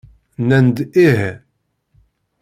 Nnan-d ih.